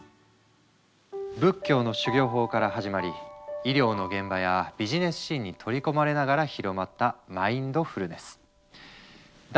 仏教の修行法から始まり医療の現場やビジネスシーンに取り込まれながら広まったマインドフルネス。